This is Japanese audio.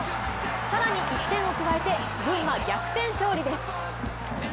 更に１点を加えて群馬、逆転勝利です。